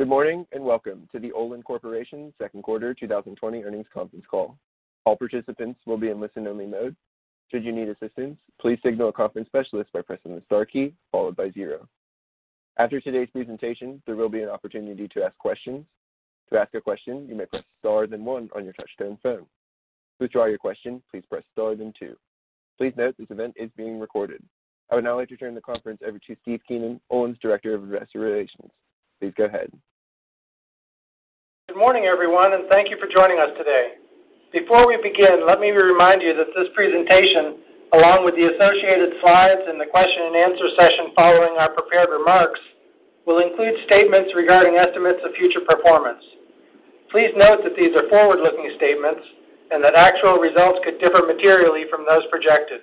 Good morning, welcome to the Olin Corporation second quarter 2020 earnings conference call. All participants will be in listen only mode. Should you need assistance, please signal a conference specialist by pressing the star key followed by zero. After today's presentation, there will be an opportunity to ask questions. To ask a question, you may press star then one on your touch-tone phone. To withdraw your question, please press star then two. Please note this event is being recorded. I would now like to turn the conference over to Steve Keenan, Olin's Director of Investor Relations. Please go ahead. Good morning, everyone, and thank you for joining us today. Before we begin, let me remind you that this presentation, along with the associated slides and the question and answer session following our prepared remarks, will include statements regarding estimates of future performance. Please note that these are forward-looking statements and that actual results could differ materially from those projected.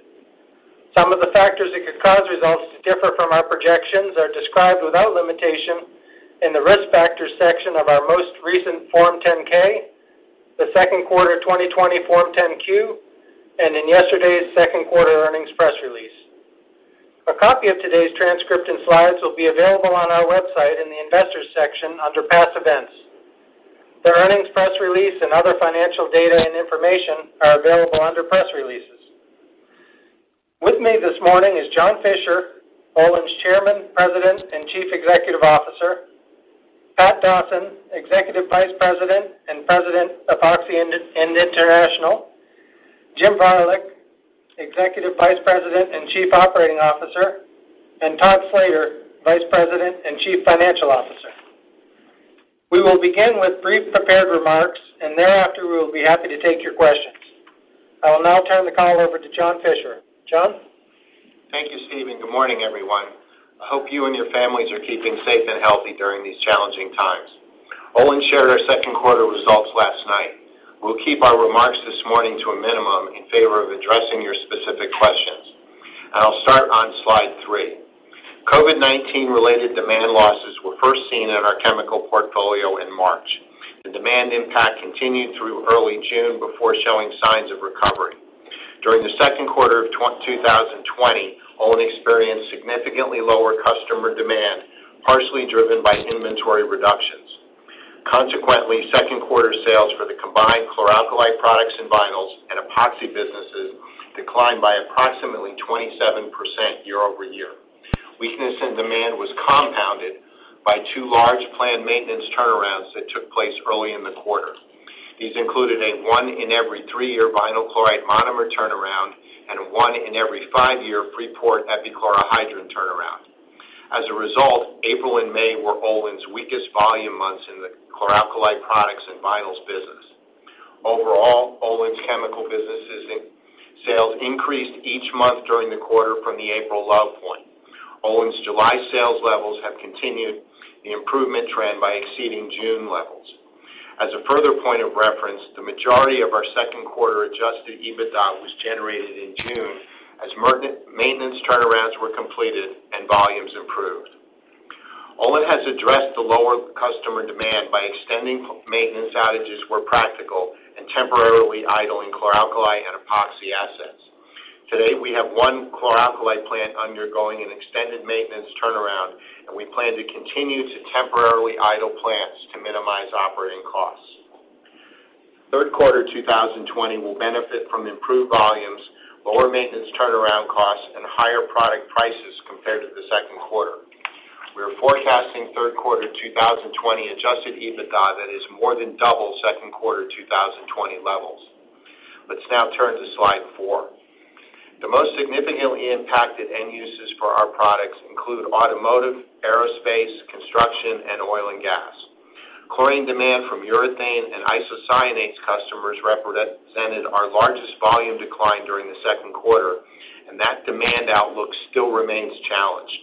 Some of the factors that could cause results to differ from our projections are described without limitation in the Risk Factors section of our most recent Form 10-K, the second quarter 2020 Form 10-Q, and in yesterday's second quarter earnings press release. A copy of today's transcript and slides will be available on our website in the Investors section under Past Events. The earnings press release and other financial data and information are available under Press Releases. With me this morning is John Fischer, Olin's Chairman, President, and Chief Executive Officer, Pat Dawson, Executive Vice President and President, Epoxy and International, Jim Varilek, Executive Vice President and Chief Operating Officer, and Todd Slater, Vice President and Chief Financial Officer. We will begin with brief prepared remarks, and thereafter, we will be happy to take your questions. I will now turn the call over to John Fischer. John? Thank you, Steve, and good morning, everyone. I hope you and your families are keeping safe and healthy during these challenging times. Olin shared our second quarter results last night. We'll keep our remarks this morning to a minimum in favor of addressing your specific questions. I'll start on slide three. COVID-19 related demand losses were first seen in our chemical portfolio in March. The demand impact continued through early June before showing signs of recovery. During the second quarter of 2020, Olin experienced significantly lower customer demand, partially driven by inventory reductions. Consequently, second quarter sales for the combined chlor-alkali products and vinyls and epoxy businesses declined by approximately 27% year-over-year. Weakness in demand was compounded by two large planned maintenance turnarounds that took place early in the quarter. These included a one in every three-year vinyl chloride monomer turnaround and a one in every five-year Freeport epichlorohydrin turnaround. As a result, April and May were Olin's weakest volume months in the chlor-alkali products and vinyls business. Overall, Olin's chemical businesses sales increased each month during the quarter from the April low point. Olin's July sales levels have continued the improvement trend by exceeding June levels. As a further point of reference, the majority of our second quarter adjusted EBITDA was generated in June as maintenance turnarounds were completed and volumes improved. Olin has addressed the lower customer demand by extending maintenance outages where practical and temporarily idling chlor-alkali and epoxy assets. Today, we have one chlor-alkali plant undergoing an extended maintenance turnaround, and we plan to continue to temporarily idle plants to minimize operating costs. Third quarter 2020 will benefit from improved volumes, lower maintenance turnaround costs, and higher product prices compared to the second quarter. We are forecasting third quarter 2020 adjusted EBITDA that is more than double second quarter 2020 levels. Let's now turn to slide four. The most significantly impacted end uses for our products include automotive, aerospace, construction, and oil and gas. Chlorine demand from urethane and isocyanate customers represented our largest volume decline during the second quarter, and that demand outlook still remains challenged.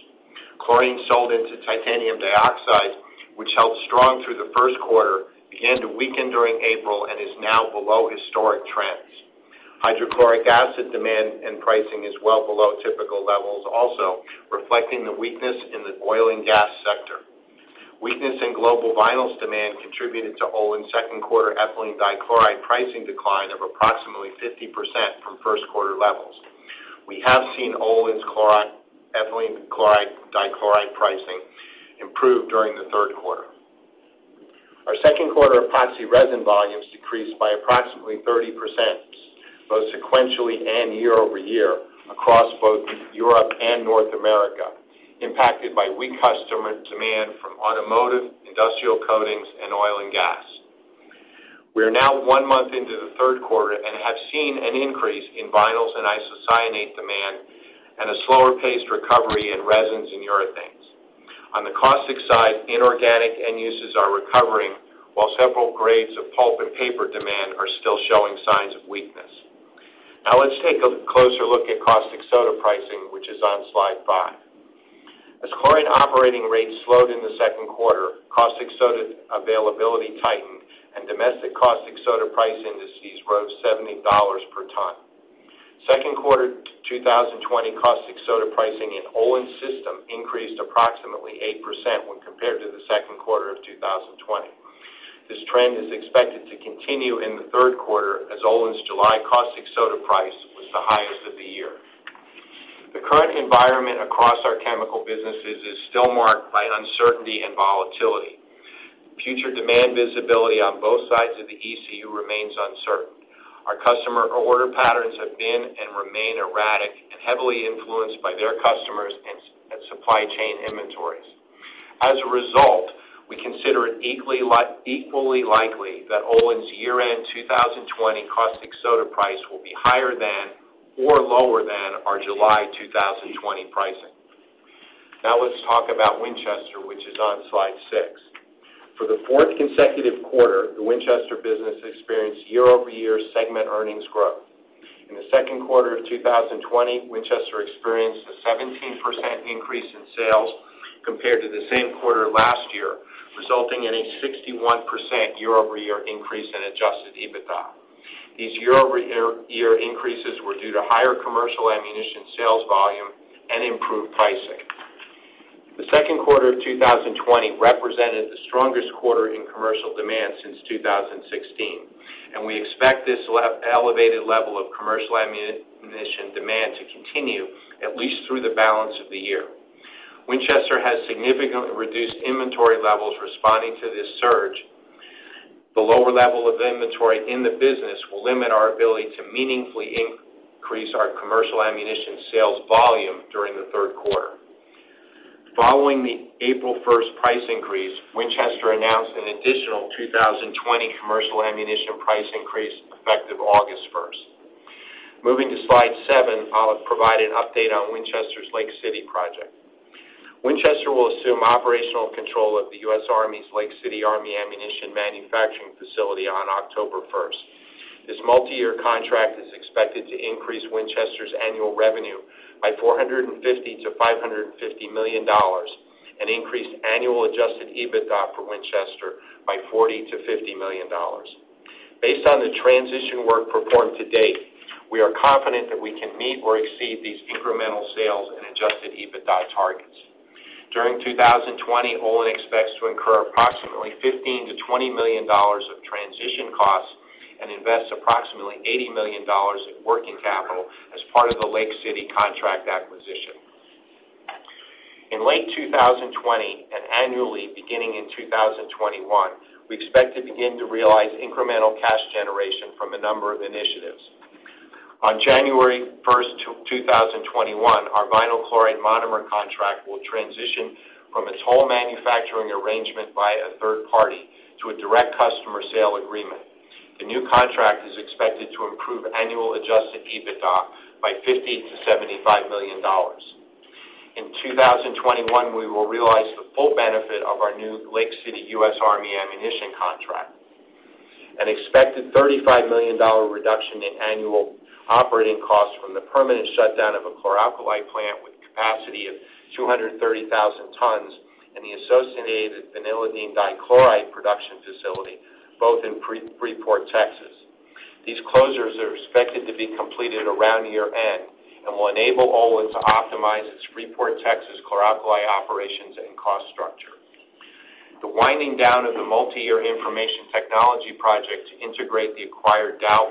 Chlorine sold into titanium dioxide, which held strong through the first quarter, began to weaken during April and is now below historic trends. Hydrochloric acid demand and pricing is well below typical levels also, reflecting the weakness in the oil and gas sector. Weakness in global vinyls demand contributed to Olin's second quarter ethylene dichloride pricing decline of approximately 50% from first quarter levels. We have seen Olin's ethylene dichloride pricing improve during the third quarter. Our second quarter epoxy resin volumes decreased by approximately 30%, both sequentially and year-over-year, across both Europe and North America, impacted by weak customer demand from automotive, industrial coatings, and oil and gas. We are now one month into the third quarter and have seen an increase in vinyls and isocyanate demand and a slower paced recovery in resins and urethanes. On the caustic side, inorganic end uses are recovering while several grades of pulp and paper demand are still showing signs of weakness. Now let's take a closer look at caustic soda pricing, which is on slide five. As chlorine operating rates slowed in the second quarter, caustic soda availability tightened and domestic caustic soda price indices rose $70 per ton. Second quarter 2020 caustic soda pricing in Olin's system increased approximately 8% when compared to the second quarter of 2020. This trend is expected to continue in the third quarter as Olin's July caustic soda price was the highest of the year. The current environment across our chemical businesses is still marked by uncertainty and volatility. Future demand visibility on both sides of the ECU remains uncertain. Our customer order patterns have been and remain erratic and heavily influenced by their customers and supply chain inventories. As a result, we consider it equally likely that Olin's year-end 2020 caustic soda price will be higher than or lower than our July 2020 pricing. Let's talk about Winchester, which is on slide six. For the fourth consecutive quarter, the Winchester business experienced year-over-year segment earnings growth. In the second quarter of 2020, Winchester experienced a 17% increase in sales compared to the same quarter last year, resulting in a 61% year-over-year increase in adjusted EBITDA. These year-over-year increases were due to higher commercial ammunition sales volume and improved pricing. The second quarter of 2020 represented the strongest quarter in commercial demand since 2016, and we expect this elevated level of commercial ammunition demand to continue at least through the balance of the year. Winchester has significantly reduced inventory levels responding to this surge. The lower level of inventory in the business will limit our ability to meaningfully increase our commercial ammunition sales volume during the third quarter. Following the April 1st price increase, Winchester announced an additional 2020 commercial ammunition price increase effective August 1st. Moving to slide seven, I'll provide an update on Winchester's Lake City project. Winchester will assume operational control of the U.S. Army's Lake City Army Ammunition Plant on October 1st. This multi-year contract is expected to increase Winchester's annual revenue by $450 million-$550 million and increase annual adjusted EBITDA for Winchester by $40 million-$50 million. Based on the transition work performed to date, we are confident that we can meet or exceed these incremental sales and adjusted EBITDA targets. During 2020, Olin expects to incur approximately $15 million-$20 million of transition costs and invest approximately $80 million in working capital as part of the Lake City contract acquisition. In late 2020 and annually beginning in 2021, we expect to begin to realize incremental cash generation from a number of initiatives. On January 1st, 2021, our vinyl chloride monomer contract will transition from its whole manufacturing arrangement by a third party to a direct customer sale agreement. The new contract is expected to improve annual adjusted EBITDA by $50 million-$75 million. In 2021, we will realize the full benefit of our new Lake City U.S. Army ammunition contract. An expected $35 million reduction in annual operating costs from the permanent shutdown of a chlor-alkali plant with capacity of 230,000 tons and the associated ethylene dichloride production facility, both in Freeport, Texas. These closures are expected to be completed around year-end and will enable Olin to optimize its Freeport, Texas, chlor-alkali operations and cost structure. The winding down of the multi-year information technology project to integrate the acquired Dow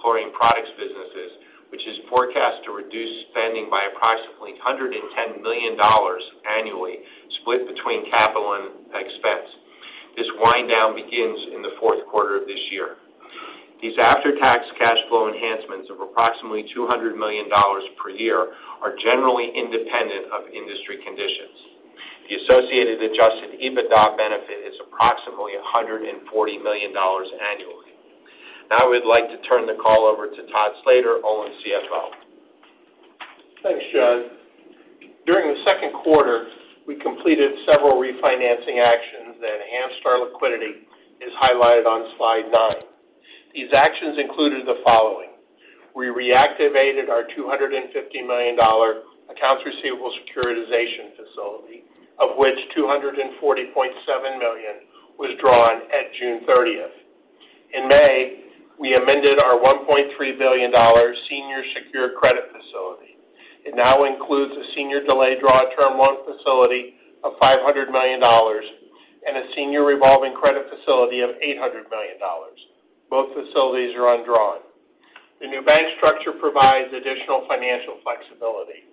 Chlorine Products businesses, which is forecast to reduce spending by approximately $110 million annually, split between capital and expense. This wind down begins in the fourth quarter of this year. These after-tax cash flow enhancements of approximately $200 million per year are generally independent of industry conditions. The associated adjusted EBITDA benefit is approximately $140 million annually. Now I would like to turn the call over to Todd Slater, Olin's CFO. Thanks, John. During the second quarter, we completed several refinancing actions that enhanced our liquidity, as highlighted on slide nine. These actions included the following. We reactivated our $250 million accounts receivable securitization facility, of which $240.7 million was drawn at June 30th. In May, we amended our $1.3 billion senior secured credit facility. It now includes a senior delayed draw term loan facility of $500 million and a senior revolving credit facility of $800 million. Both facilities are undrawn. The new bank structure provides additional financial flexibility.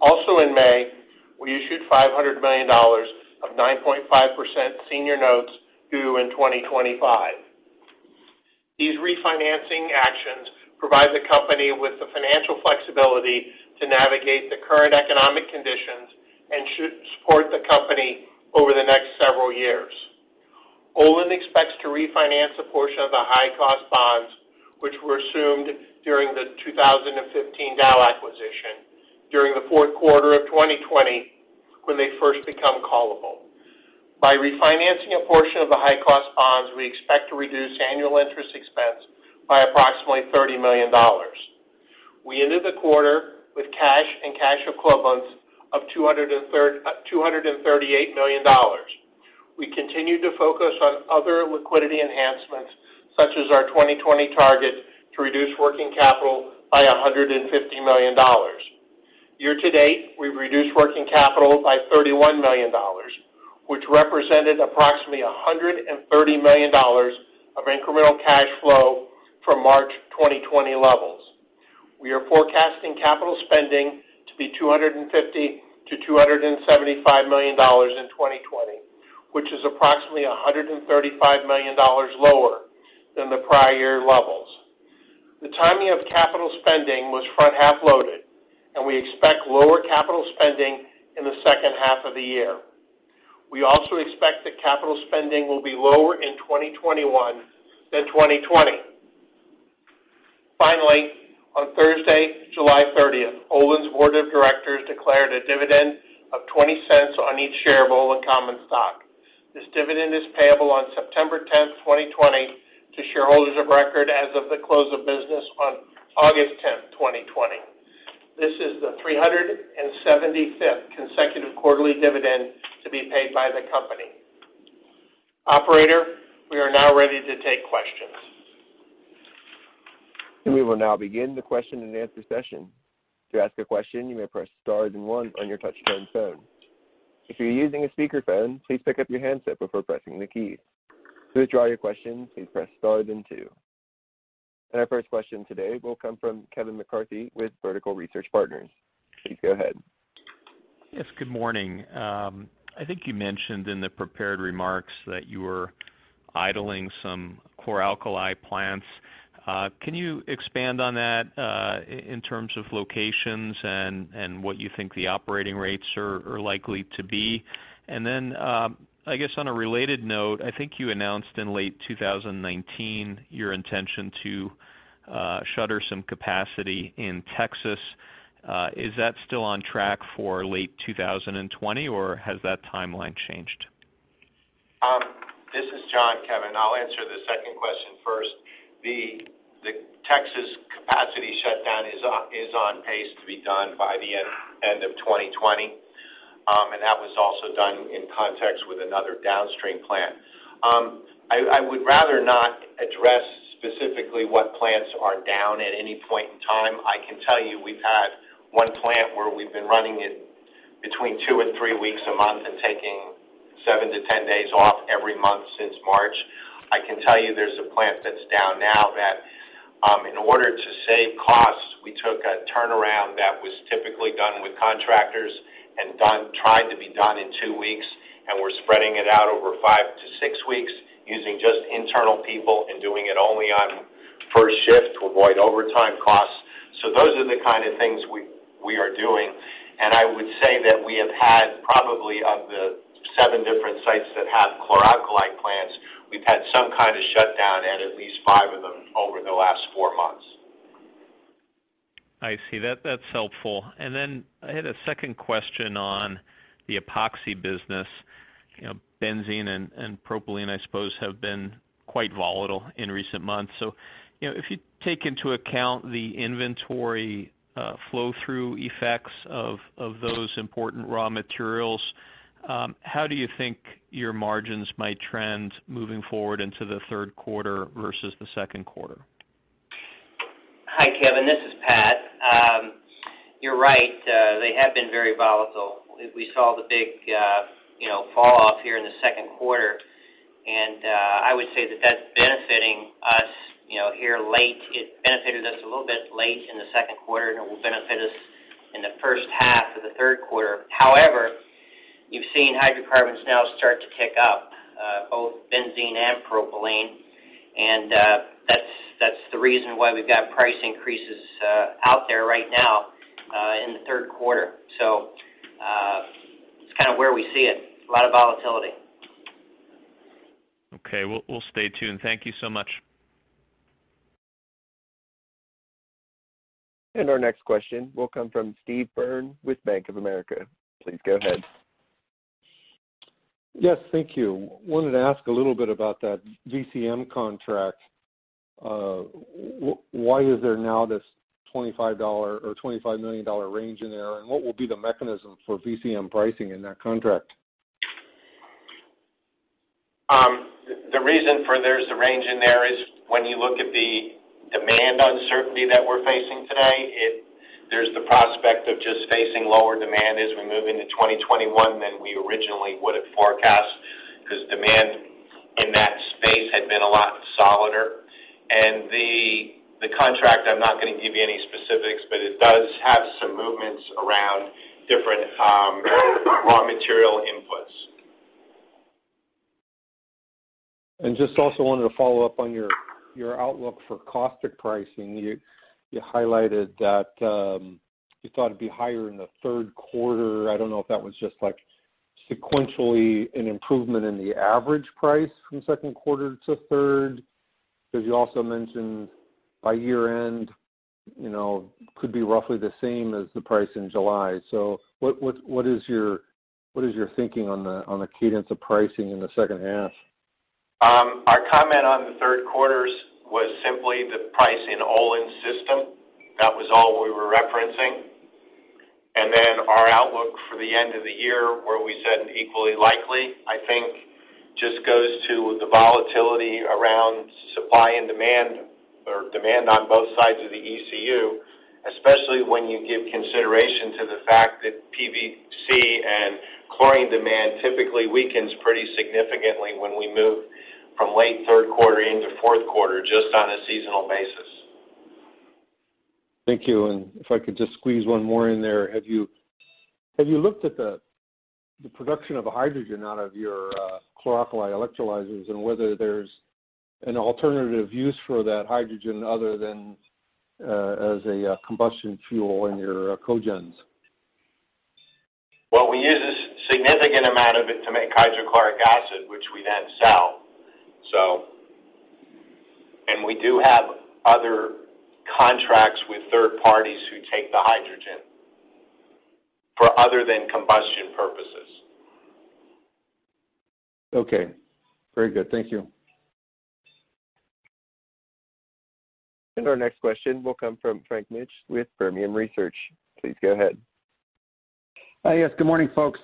Also in May, we issued $500 million of 9.5% senior notes due in 2025. These refinancing actions provide the company with the financial flexibility to navigate the current economic conditions and should support the company over the next several years. Olin expects to refinance a portion of the high-cost bonds, which were assumed during the 2015 Dow acquisition, during the fourth quarter of 2020 when they first become callable. By refinancing a portion of the high-cost bonds, we expect to reduce annual interest expense by approximately $30 million. We ended the quarter with cash and cash equivalents of $238 million. We continue to focus on other liquidity enhancements, such as our 2020 target to reduce working capital by $150 million. Year to date, we've reduced working capital by $31 million, which represented approximately $130 million of incremental cash flow from March 2020 levels. We are forecasting capital spending to be $250 to $275 million in 2020, which is approximately $135 million lower than the prior year levels. The timing of capital spending was front-half loaded, and we expect lower capital spending in the second half of the year. We also expect that capital spending will be lower in 2021 than 2020. On Thursday, July 30th, Olin's Board of Directors declared a dividend of $0.20 on each share of Olin common stock. This dividend is payable on September 10th, 2020, to shareholders of record as of the close of business on August 10th, 2020. This is the 375th consecutive quarterly dividend to be paid by the company. Operator, we are now ready to take questions. We will now begin the question and answer session. To ask a question, you may press star then one on your touchtone phone. If you're using a speakerphone, please pick up your handset before pressing the key. To withdraw your question, please press star then two. Our first question today will come from Kevin McCarthy with Vertical Research Partners. Please go ahead. Yes, good morning. I think you mentioned in the prepared remarks that you were idling some chlor-alkali plants. Can you expand on that, in terms of locations and what you think the operating rates are likely to be? Then, I guess on a related note, I think you announced in late 2019 your intention to shutter some capacity in Texas. Is that still on track for late 2020, or has that timeline changed? This is John, Kevin. I'll answer the second question first. The Texas capacity shutdown is on pace to be done by the end of 2020. That was also done in context with another downstream plant. I would rather not address specifically what plants are down at any point in time. I can tell you we've had one plant where we've been running it between two and three weeks a month and taking 7 to 10 days off every month since March. I can tell you there's a plant that's down now that, in order to save costs, we took a turnaround that was typically done with contractors and tried to be done in two weeks, and we're spreading it out over five to six weeks using just internal people and doing it only on first shift to avoid overtime costs. Those are the kind of things we are doing. I would say that we have had probably, of the seven different sites that have chlor-alkali plants, we've had some kind of shutdown at least five of them over the last four months. I see. That's helpful. I had a second question on the epoxy business. Benzene and propylene, I suppose, have been quite volatile in recent months. If you take into account the inventory flow through effects of those important raw materials, how do you think your margins might trend moving forward into the third quarter versus the second quarter? Hi, Kevin. This is Pat. You're right. They have been very volatile. We saw the big fall off here in the second quarter, and I would say that that's benefiting us here late. It benefited us a little bit late in the second quarter, and it will benefit us in the first half of the third quarter. However, you've seen hydrocarbons now start to tick up, both benzene and propylene, and that's the reason why we've got price increases out there right now, in the third quarter. It's kind of where we see it. A lot of volatility. Okay. We'll stay tuned. Thank you so much. Our next question will come from Steve Byrne with Bank of America. Please go ahead. Yes, thank you. Wanted to ask a little bit about that VCM contract. Why is there now this $25 million range in there, and what will be the mechanism for VCM pricing in that contract? The reason there's the range in there is when you look at the demand uncertainty that we're facing today, there's the prospect of just facing lower demand as we move into 2021 than we originally would've forecast, because demand in that space had been a lot solider. The contract, I'm not going to give you any specifics, but it does have some movements around different raw material inputs. Just also wanted to follow up on your outlook for caustic pricing. You highlighted that you thought it'd be higher in the third quarter. I don't know if that was just sequentially an improvement in the average price from second quarter to third, because you also mentioned by year-end, could be roughly the same as the price in July. What is your thinking on the cadence of pricing in the second half? Our comment on the third quarters was simply the price in Olin's system. That was all we were referencing. Our outlook for the end of the year, where we said equally likely, I think just goes to the volatility around supply and demand or demand on both sides of the ECU. Especially when you give consideration to the fact that PVC and chlorine demand typically weakens pretty significantly when we move from late third quarter into fourth quarter, just on a seasonal basis. Thank you. If I could just squeeze one more in there. Have you looked at the production of hydrogen out of your chlor-alkali electrolyzers, and whether there's an alternative use for that hydrogen other than as a combustion fuel in your cogen? Well, we use a significant amount of it to make hydrochloric acid, which we then sell. We do have other contracts with third parties who take the hydrogen for other than combustion purposes. Okay. Very good. Thank you. Our next question will come from Frank Mitsch with Fermium Research. Please go ahead. Yes. Good morning, folks.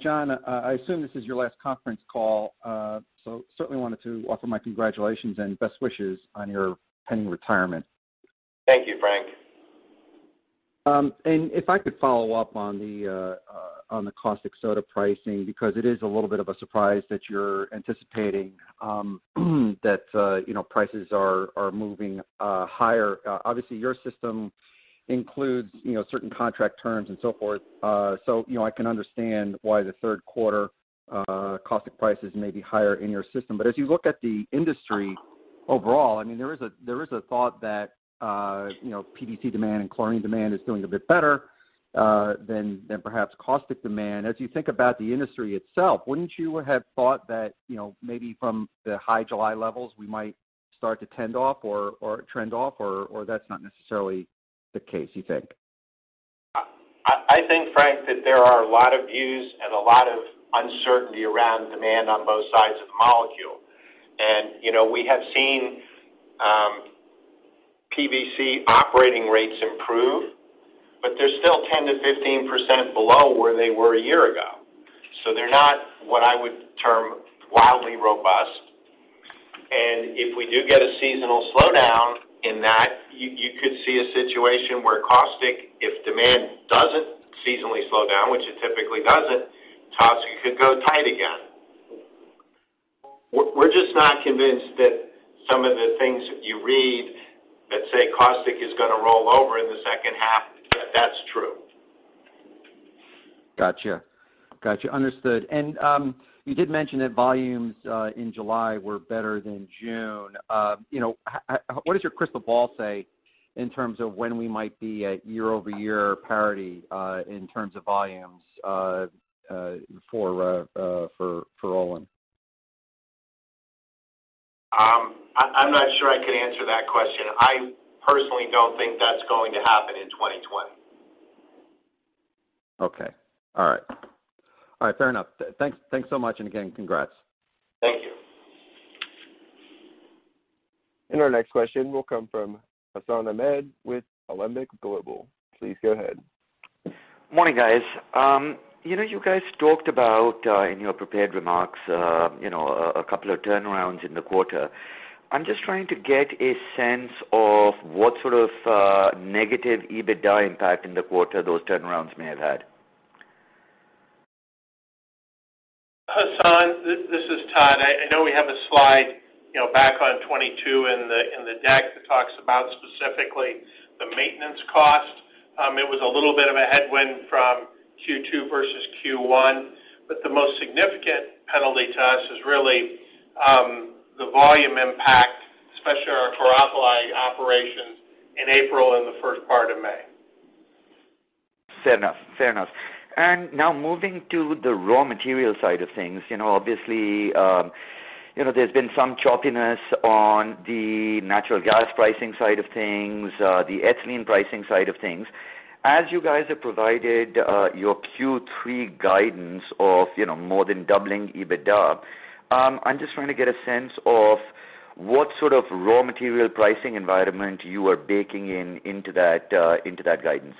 John, I assume this is your last conference call, so certainly wanted to offer my congratulations and best wishes on your pending retirement. Thank you, Frank. If I could follow up on the caustic soda pricing, because it is a little bit of a surprise that you're anticipating that prices are moving higher. Obviously, your system includes certain contract terms and so forth. I can understand why the third quarter caustic prices may be higher in your system. As you look at the industry overall, there is a thought that PVC demand and chlorine demand is doing a bit better than perhaps caustic demand. As you think about the industry itself, wouldn't you have thought that maybe from the high July levels, we might start to trend off, or that's not necessarily the case, you think? I think, Frank, that there are a lot of views and a lot of uncertainty around demand on both sides of the molecule. We have seen PVC operating rates improve, but they're still 10%-15% below where they were a year ago. They're not what I would term wildly robust. If we do get a seasonal slowdown in that, you could see a situation where caustic, if demand doesn't seasonally slow down, which it typically doesn't, caustic could go tight again. We're just not convinced that some of the things that you read that say caustic is going to roll over in the second half, that that's true. Gotcha. Understood. You did mention that volumes in July were better than June. What does your crystal ball say in terms of when we might be at year-over-year parity in terms of volumes for Olin? I'm not sure I could answer that question. I personally don't think that's going to happen in 2020. Okay. All right. Fair enough. Thanks so much. Again, congrats. Thank you. Our next question will come from Hassan Ahmed with Alembic Global. Please go ahead. Morning, guys. You guys talked about, in your prepared remarks, a couple of turnarounds in the quarter. I'm just trying to get a sense of what sort of negative EBITDA impact in the quarter those turnarounds may have had. Hassan, this is Todd. I know we have a slide back on 22 in the deck that talks about specifically the maintenance cost. It was a little bit of a headwind from Q2 versus Q1, but the most significant penalty to us is really the volume impact, especially on our chlor-alkali operations in April and the first part of May. Fair enough. Now moving to the raw material side of things. Obviously, there's been some choppiness on the natural gas pricing side of things, the ethylene pricing side of things. As you guys have provided your Q3 guidance of more than doubling EBITDA, I'm just trying to get a sense of what sort of raw material pricing environment you are baking into that guidance.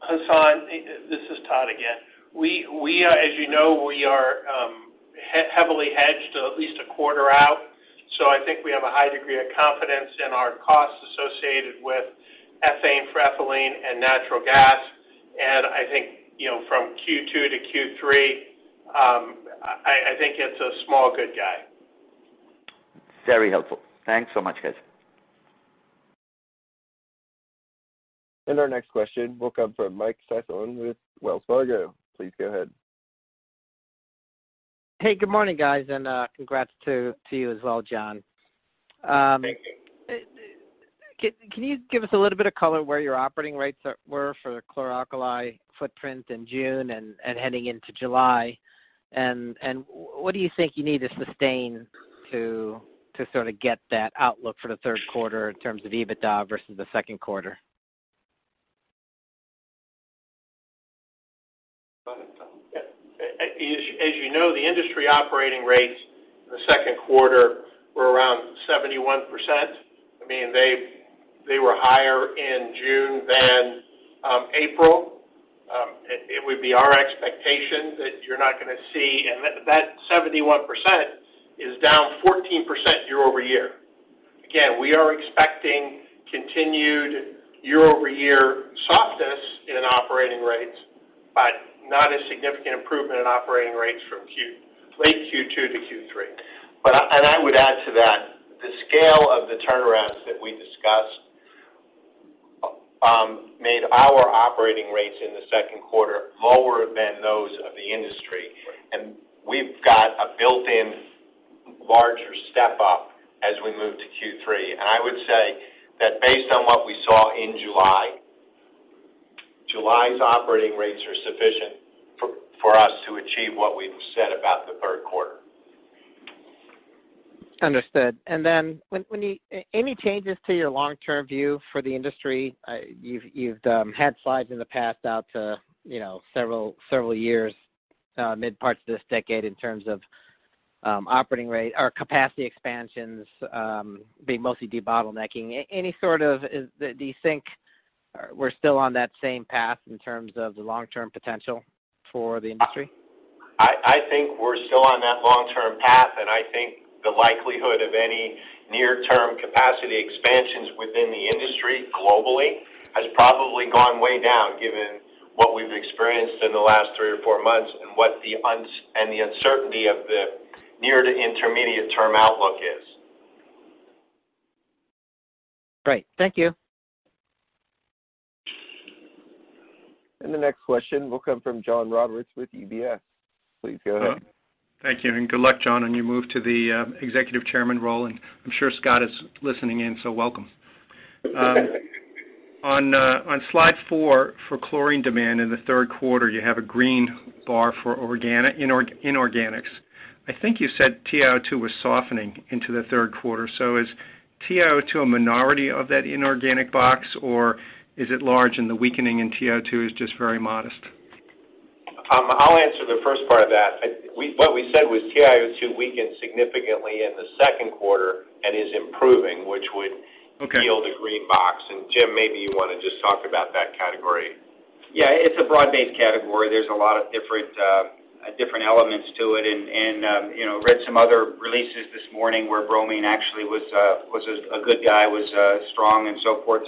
Hassan, this is Todd again. As you know, we are heavily hedged at least a quarter out, so I think we have a high degree of confidence in our costs associated with ethane, propylene, and natural gas. I think from Q2 to Q3, I think it's a small good guy. Very helpful. Thanks so much, guys. Our next question will come from Michael Sison with Wells Fargo. Please go ahead. Hey, good morning, guys, and congrats to you as well, John. Thank you. Can you give us a little bit of color where your operating rates were for the chlor-alkali footprint in June and heading into July? What do you think you need to sustain to sort of get that outlook for the third quarter in terms of EBITDA versus the second quarter? You know, the industry operating rates in the second quarter were around 71%. They were higher in June than April. It would be our expectation that you're not going to see that 71% is down 14% year-over-year. Again, we are expecting continued year-over-year softness in operating rates, but not a significant improvement in operating rates from late Q2 to Q3. I would add to that, the scale of the turnarounds that we discussed made our operating rates in the second quarter lower than those of the industry. We've got a built-in larger step up as we move to Q3. I would say that based on what we saw in July's operating rates are sufficient for us to achieve what we've said about the third quarter. Understood. Any changes to your long-term view for the industry? You've had slides in the past out to several years, mid parts of this decade in terms of operating rate or capacity expansions being mostly debottlenecking. Do you think we're still on that same path in terms of the long-term potential for the industry? I think we're still on that long-term path, and I think the likelihood of any near-term capacity expansions within the industry globally has probably gone way down given what we've experienced in the last three or four months, and the uncertainty of the near to intermediate term outlook is. Great. Thank you. The next question will come from John Roberts with UBS. Please go ahead. Thank you, and good luck, John, on your move to the Executive Chairman role. I'm sure Scott is listening in. Welcome. On slide four for chlorine demand in the third quarter, you have a green bar for inorganics. I think you said TiO2 was softening into the third quarter. Is TiO2 a minority of that inorganic box, or is it large and the weakening in TiO2 is just very modest? I'll answer the first part of that. What we said was TiO2 weakened significantly in the second quarter and is improving, which would yield a green box. Jim, maybe you want to just talk about that category. Yeah, it's a broad-based category. There's a lot of different elements to it. Read some other releases this morning where bromine actually was a good guy, was strong, and so forth.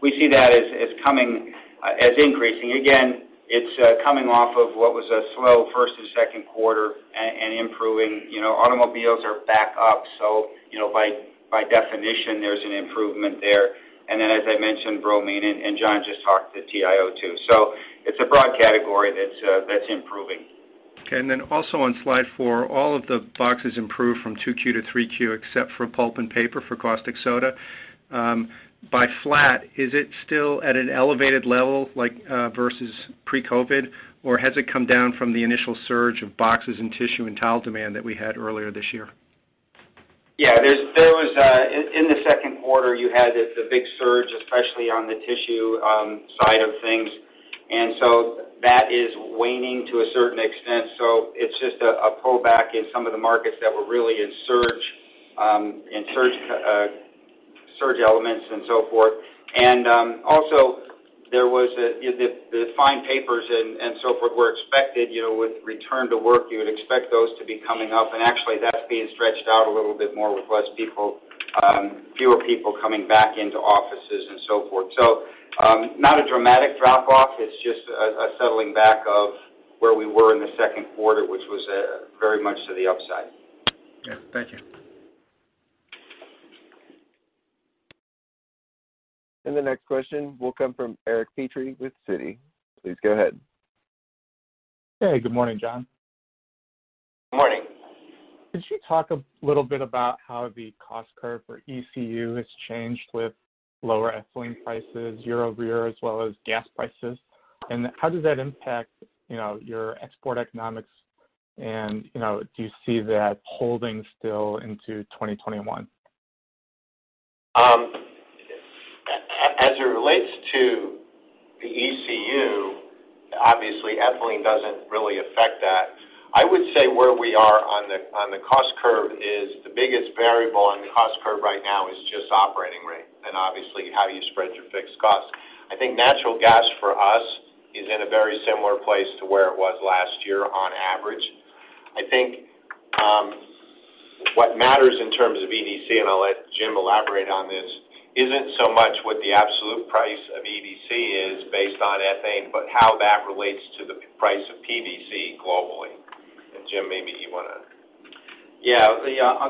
We see that as increasing. Again, it's coming off of what was a slow first and second quarter and improving. Automobiles are back up, so by definition, there's an improvement there. As I mentioned, bromine, and John just talked to TiO2. It's a broad category that's improving. Okay. Also on slide four, all of the boxes improved from 2Q to 3Q except for pulp and paper for caustic soda. By flat, is it still at an elevated level versus pre-COVID, or has it come down from the initial surge of boxes and tissue and tile demand that we had earlier this year? Yeah. In the second quarter, you had the big surge, especially on the tissue side of things. That is waning to a certain extent. It's just a pullback in some of the markets that were really in surge elements and so forth. Also, the fine papers and so forth were expected. With return to work, you would expect those to be coming up, and actually that's being stretched out a little bit more with fewer people coming back into offices and so forth. Not a dramatic drop off. It's just a settling back of where we were in the second quarter, which was very much to the upside. Yeah. Thank you. The next question will come from Eric Petrie with Citi. Please go ahead. Hey. Good morning, John. Morning. Could you talk a little bit about how the cost curve for ECU has changed with lower ethylene prices year-over-year as well as gas prices? How does that impact your export economics? Do you see that holding still into 2021? As it relates to the ECU, obviously ethylene doesn't really affect that. I would say where we are on the cost curve is the biggest variable on the cost curve right now is just operating rate, and obviously how do you spread your fixed costs. I think natural gas for us is in a very similar place to where it was last year on average. I think what matters in terms of EDC, and I'll let Jim elaborate on this, isn't so much what the absolute price of EDC is based on ethane, but how that relates to the price of PVC globally. Jim, maybe you want to. Yeah.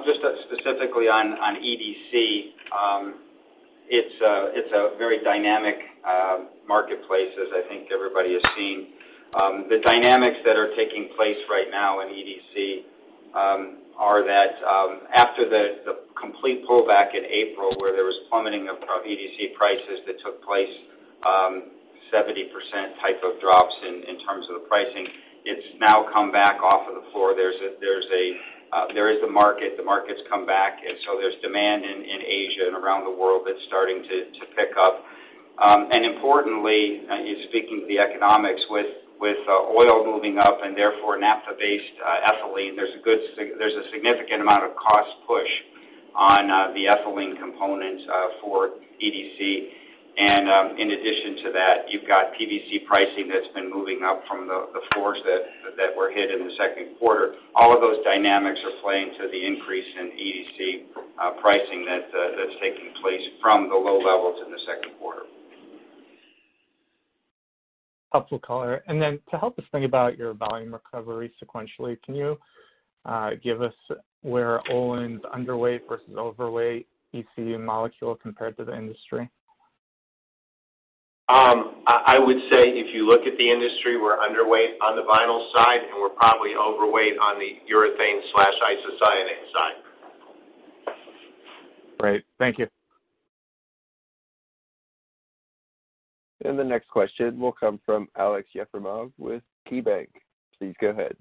Just specifically on EDC, it's a very dynamic marketplace as I think everybody has seen. The dynamics that are taking place right now in EDC are that after the complete pullback in April where there was plummeting of EDC prices that took place, 70% type of drops in terms of the pricing, it's now come back off of the floor. There is the market. The market's come back. So there's demand in Asia and around the world that's starting to pick up. Importantly, speaking to the economics, with oil moving up and therefore naphtha-based ethylene, there's a significant amount of cost push On the ethylene component for EDC. In addition to that, you've got PVC pricing that's been moving up from the floors that were hit in the second quarter. All of those dynamics are playing to the increase in EDC pricing that's taking place from the low levels in the second quarter. Helpful color. To help us think about your volume recovery sequentially, can you give us where Olin's underweight versus overweight ECU molecule compared to the industry? I would say if you look at the industry, we're underweight on the vinyl side, and we're probably overweight on the urethane/isocyanate side. Great. Thank you. The next question will come from Alex Yefimov with KeyBanc. Please go ahead.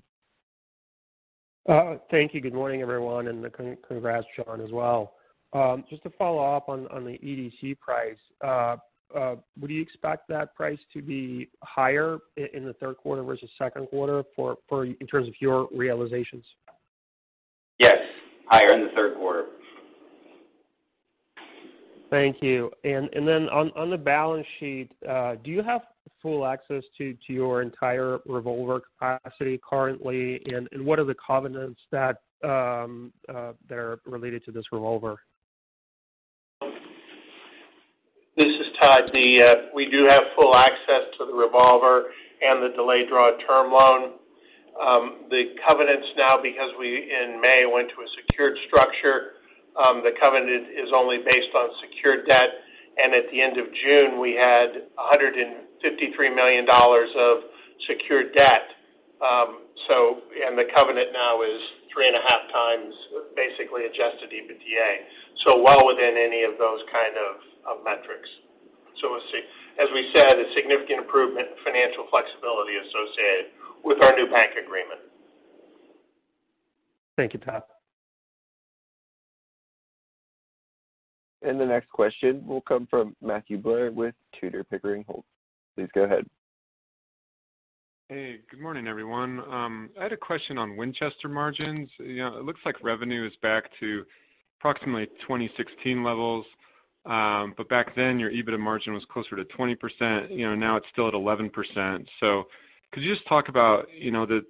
Thank you. Good morning, everyone, and congrats, John, as well. Just to follow up on the EDC price, would you expect that price to be higher in the third quarter versus second quarter in terms of your realizations? Yes. Higher in the third quarter. Thank you. On the balance sheet, do you have full access to your entire revolver capacity currently? What are the covenants that are related to this revolver? This is Todd. We do have full access to the revolver and the delayed draw term loan. The covenants now, because we, in May, went to a secured structure, the covenant is only based on secured debt. At the end of June, we had $153 million of secured debt. The covenant now is 3.5 times, basically, adjusted EBITDA. Well within any of those kind of metrics. We'll see. As we said, a significant improvement in financial flexibility associated with our new bank agreement. Thank you, Todd. The next question will come from Matthew Blair with Tudor, Pickering Holt. Please go ahead. Hey, good morning, everyone. I had a question on Winchester margins. It looks like revenue is back to approximately 2016 levels. Back then, your EBITDA margin was closer to 20%, now it's still at 11%. Could you just talk about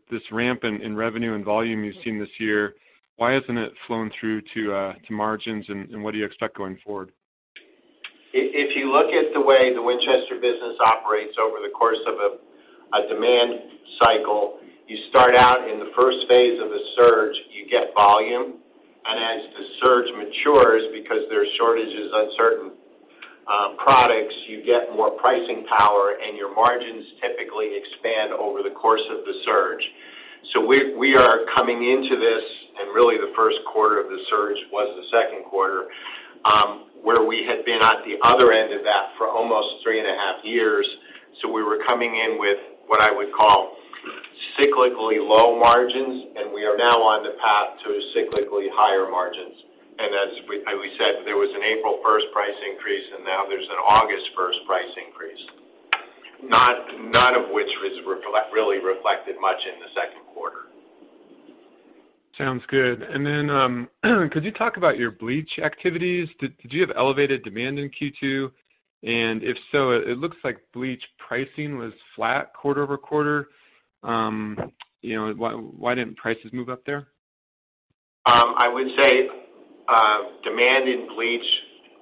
this ramp in revenue and volume you've seen this year, why hasn't it flown through to margins, and what do you expect going forward? If you look at the way the Winchester business operates over the course of a demand cycle, you start out in the first phase of the surge, you get volume. As the surge matures, because there are shortages on certain products, you get more pricing power, and your margins typically expand over the course of the surge. We are coming into this, and really the first quarter of the surge was the second quarter, where we had been on the other end of that for almost three and a half years. We were coming in with what I would call cyclically low margins, and we are now on the path to cyclically higher margins. As we said, there was an April 1st price increase, and now there's an August 1st price increase. None of which is really reflected much in the second quarter. Sounds good. Could you talk about your bleach activities? Did you have elevated demand in Q2? If so, it looks like bleach pricing was flat quarter-over-quarter. Why didn't prices move up there? I would say demand in bleach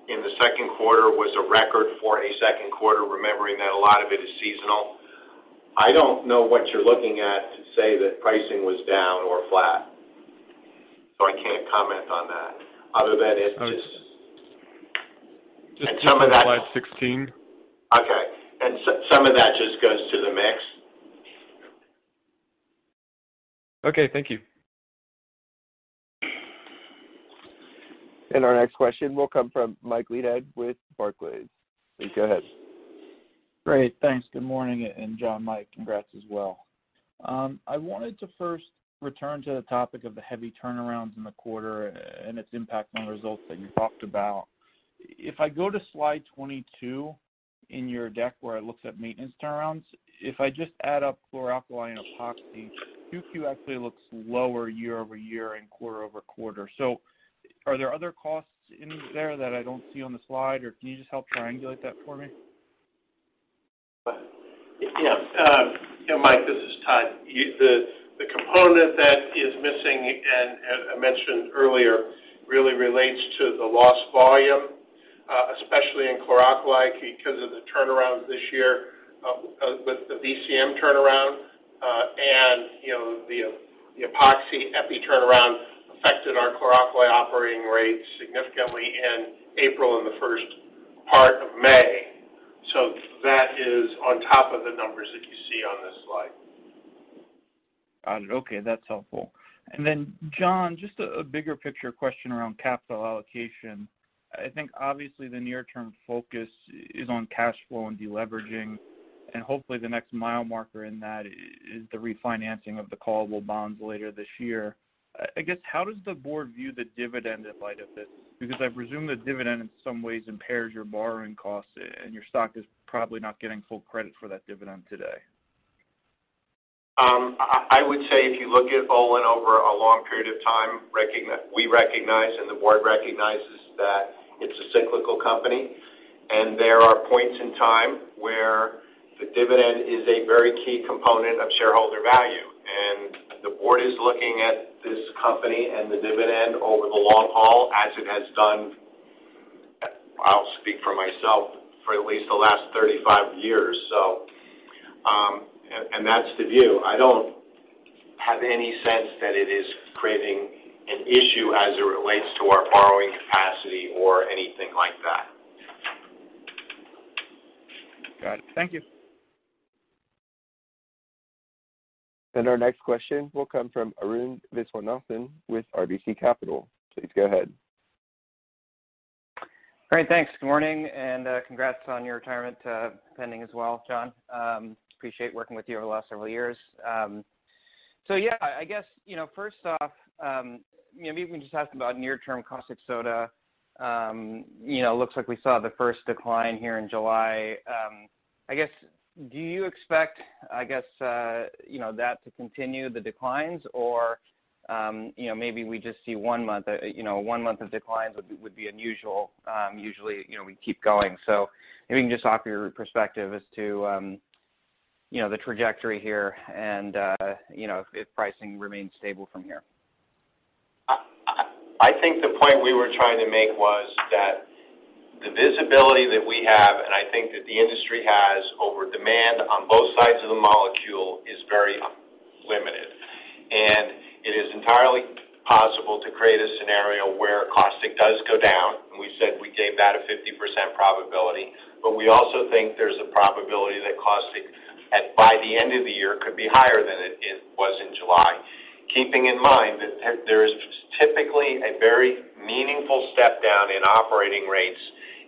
in the second quarter was a record for a second quarter, remembering that a lot of it is seasonal. I don't know what you're looking at to say that pricing was down or flat. I can't comment on that. Just looking at slide 16. Okay. Some of that just goes to the mix. Okay. Thank you. Our next question will come from Mike Leithead with Barclays. Please go ahead. Great. Thanks. Good morning. John, Mike, congrats as well. I wanted to first return to the topic of the heavy turnarounds in the quarter and its impact on the results that you talked about. If I go to slide 22 in your deck where it looks at maintenance turnarounds, if I just add up chlor-alkali and epoxy, Q2 actually looks lower year-over-year and quarter-over-quarter. Are there other costs in there that I don't see on the slide, or can you just help triangulate that for me? Yeah. Mike, this is Todd. The component that is missing, and I mentioned earlier, really relates to the lost volume, especially in chlor-alkali because of the turnarounds this year with the VCM turnaround. The epoxy EPI turnaround affected our chlor-alkali operating rates significantly in April and the first part of May. That is on top of the numbers that you see on this slide. Got it. Okay. Then John, just a bigger picture question around capital allocation. I think obviously the near-term focus is on cash flow and de-leveraging, and hopefully the next mile marker in that is the refinancing of the callable bonds later this year. I guess, how does the board view the dividend in light of this? Because I presume the dividend in some ways impairs your borrowing costs, and your stock is probably not getting full credit for that dividend today. I would say if you look at Olin over a long period of time, we recognize and the board recognizes that it's a cyclical company, and there are points in time where the dividend is a very key component of shareholder value. The board is looking at this company and the dividend over the long haul as it has done, I'll speak for myself, for at least the last 35 years. That's the view. I don't have any sense that it is creating an issue as it relates to our borrowing capacity or anything like that. Got it. Thank you. Our next question will come from Arun Viswanathan with RBC Capital. Please go ahead. Great. Thanks. Good morning, congrats on your retirement pending as well, John. Appreciate working with you over the last several years. Yeah, I guess, first off, maybe we can just ask about near-term caustic soda. Looks like we saw the first decline here in July. Do you expect that to continue the declines? Maybe we just see one month of declines would be unusual. Usually, we keep going. Maybe you can just offer your perspective as to the trajectory here and if pricing remains stable from here. I think the point we were trying to make was that the visibility that we have, and I think that the industry has, over demand on both sides of the molecule is very limited. It is entirely possible to create a scenario where caustic does go down, and we said we gave that a 50% probability, but we also think there's a probability that caustic, by the end of the year, could be higher than it was in July. Keeping in mind that there is typically a very meaningful step down in operating rates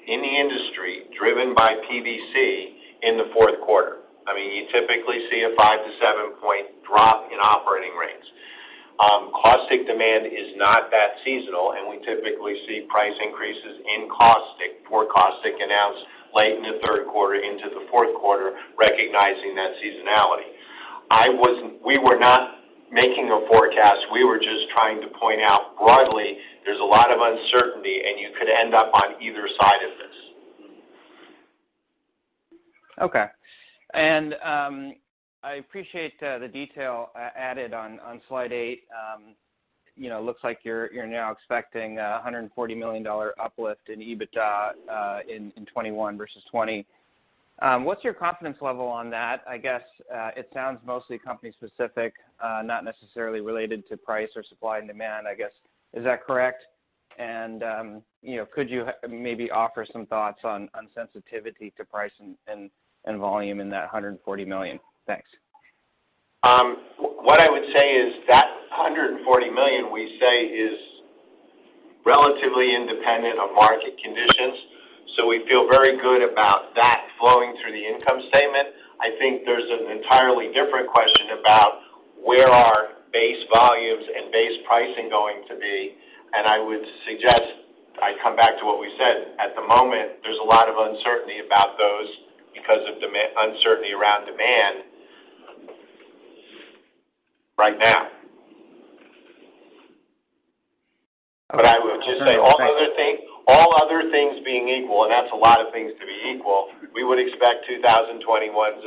in the industry driven by PVC in the fourth quarter. You typically see a five to seven point drop in operating rates. Caustic demand is not that seasonal, and we typically see price increases in caustic, for caustic announced late in the third quarter into the fourth quarter, recognizing that seasonality. We were not making a forecast. We were just trying to point out broadly there is a lot of uncertainty, and you could end up on either side of this. Okay. I appreciate the detail added on slide eight. Looks like you're now expecting $140 million uplift in EBITDA in 2021 versus 2020. What's your confidence level on that? I guess it sounds mostly company specific, not necessarily related to price or supply and demand, I guess. Is that correct? Could you maybe offer some thoughts on sensitivity to price and volume in that $140 million? Thanks. What I would say is that $140 million we say is relatively independent of market conditions. We feel very good about that flowing through the income statement. I think there's an entirely different question about where are base volumes and base pricing going to be, and I would suggest I come back to what we said. At the moment, there's a lot of uncertainty about those because of uncertainty around demand right now. I would just say all other things being equal, and that's a lot of things to be equal, we would expect 2021's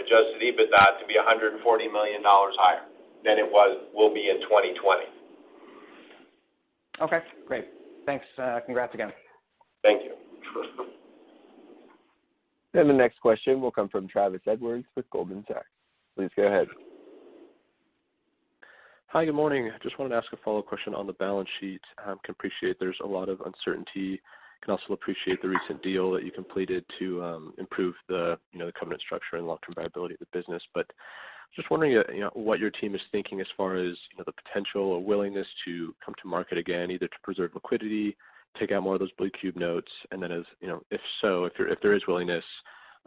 adjusted EBITDA to be $140 million higher than it will be in 2020. Okay, great. Thanks. Congrats again. Thank you. The next question will come from Travis Edwards with Goldman Sachs. Please go ahead. Hi. Good morning. Just wanted to ask a follow question on the balance sheet. Can appreciate there's a lot of uncertainty, can also appreciate the recent deal that you completed to improve the covenant structure and long-term viability of the business. Just wondering what your team is thinking as far as the potential or willingness to come to market again, either to preserve liquidity, take out more of those Blue Cube notes. If so, if there is willingness,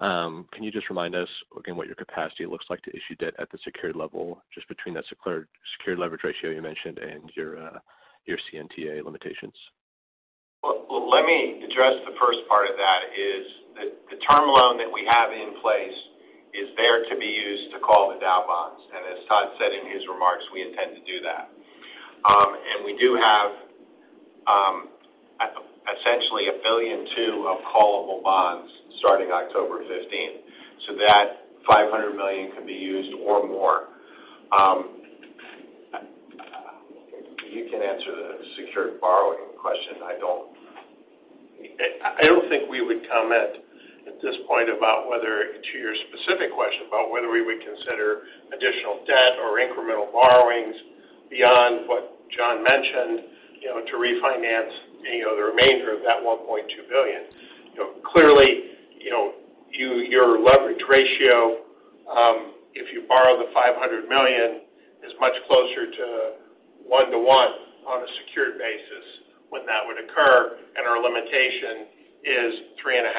can you just remind us again what your capacity looks like to issue debt at the secured level, just between that secured leverage ratio you mentioned and your CNTA limitations? Let me address the first part of that, is the term loan that we have in place is there to be used to call the Dow bonds. As Todd said in his remarks, we intend to do that. We do have essentially $1.2 billion of callable bonds starting October 15th. That $500 million can be used or more. You can answer the secured borrowing question. I don't. I don't think we would comment at this point about whether, to your specific question, about whether we would consider additional debt or incremental borrowings beyond what John mentioned to refinance the remainder of that $1.2 billion. Clearly, your leverage ratio, if you borrow the $500 million, is much closer to 1 to 1 on a secured basis when that would occur, and our limitation is 3.5.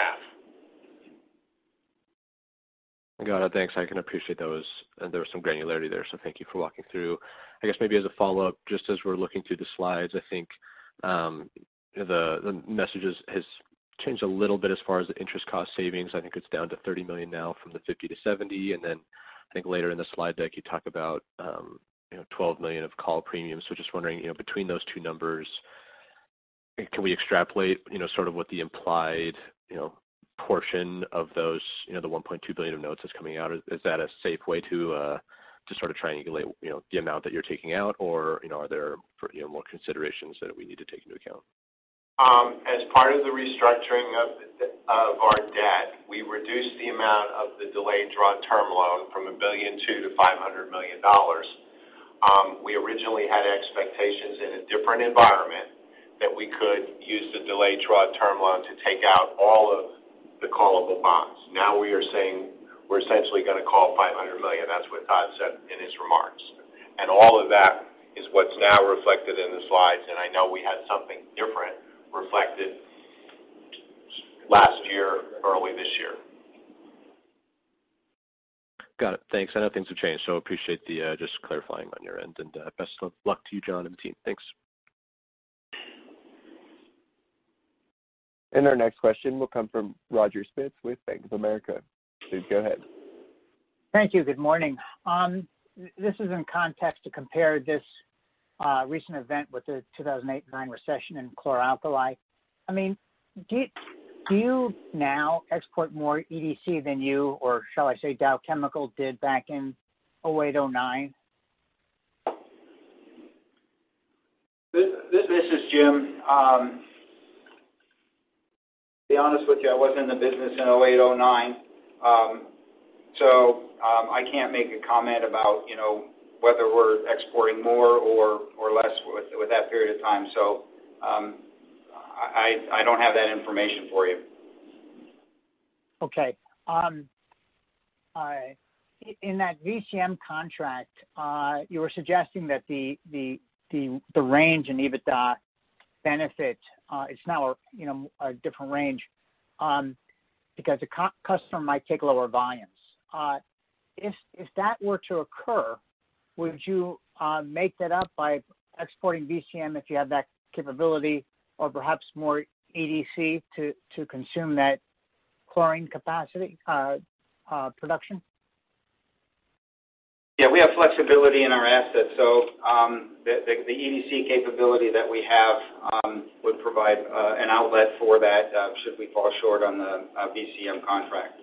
Got it. Thanks. I can appreciate those. There was some granularity there. Thank you for walking through. I guess maybe as a follow-up, just as we're looking through the slides, I think the message has changed a little bit as far as the interest cost savings. I think it's down to $30 million now from the $50 million to $70 million. I think later in the slide deck, you talk about $12 million of call premiums. Just wondering, between those two numbers, can we extrapolate sort of what the implied portion of those, the $1.2 billion of notes that's coming out? Is that a safe way to sort of triangulate the amount that you're taking out? Are there more considerations that we need to take into account? As part of the restructuring of our debt, we reduced the amount of the delayed draw term loan from $1.2 billion to $500 million. We originally had expectations in a different environment that we could use the delayed draw term loan to take out all of the callable bonds. Now we are saying we're essentially going to call $500 million. That's what Todd said in his remarks. All of that is what's now reflected in the slides. I know we had something different reflected last year, early this year. Got it. Thanks. I know things have changed, so appreciate just clarifying on your end. Best of luck to you, John, and the team. Thanks. Our next question will come from Roger Spitz with Bank of America. Please go ahead. Thank you. Good morning. This is in context to compare this recent event with the 2008 and 2009 recession in chlor-alkali. I mean, do you now export more EDC than you, or shall I say Dow Chemical did back in 2008, 2009? This is Jim. To be honest with you, I wasn't in the business in 2008, 2009. I can't make a comment about whether we're exporting more or less with that period of time. I don't have that information for you. Okay. In that VCM contract, you were suggesting that the range in EBITDA benefit, it's now a different range because the customer might take lower volumes. If that were to occur, would you make that up by exporting VCM if you have that capability, or perhaps more EDC to consume that chlorine capacity production? Yeah, we have flexibility in our assets. The EDC capability that we have would provide an outlet for that should we fall short on the VCM contract.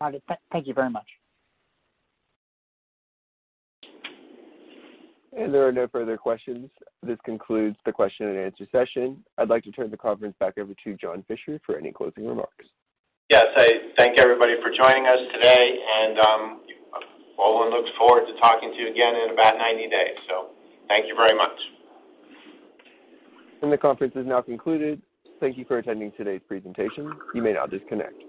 Got it. Thank you very much. There are no further questions. This concludes the question and answer session. I'd like to turn the conference back over to John Fisher for any closing remarks. Yes. I thank everybody for joining us today. Olin looks forward to talking to you again in about 90 days. Thank you very much. The conference is now concluded. Thank you for attending today's presentation. You may now disconnect.